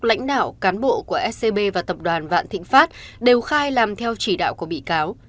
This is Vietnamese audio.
lãnh đạo cán bộ của scb và tập đoàn vạn thịnh pháp đều khai làm theo chỉ đạo của bị cáo